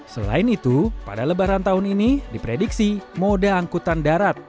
selain itu pada lebaran tahun ini diprediksi mode angkutan darat